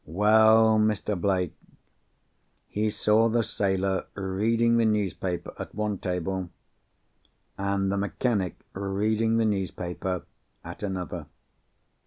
"Well, Mr. Blake, he saw the sailor reading the newspaper at one table, and the mechanic reading the newspaper at another.